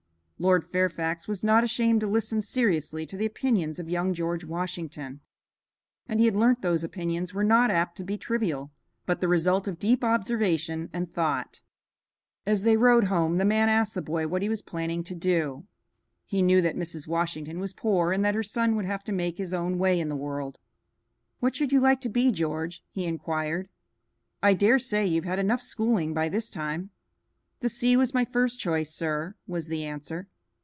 Lord Fairfax was not ashamed to listen seriously to the opinions of young George Washington, and he had learnt that those opinions were not apt to be trivial, but the result of deep observation and thought. [Illustration: MRS. WASHINGTON URGES GEORGE NOT TO ENTER THE NAVY] As they rode home the man asked the boy what he was planning to do. He knew that Mrs. Washington was poor and that her son would have to make his own way in the world. "What should you like to be, George?" he inquired. "I dare say you've had enough schooling by this time." "The sea was my first choice, sir," was the answer.